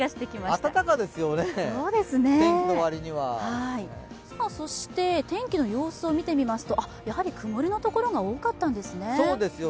暖かですよね、天気の割には。そして天気の様子を見てみますとやはり曇りのところが多かったんですね。